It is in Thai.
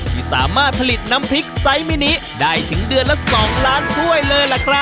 ที่สามารถผลิตน้ำพริกไซส์มินิได้ถึงเดือนละ๒ล้านถ้วยเลยล่ะครับ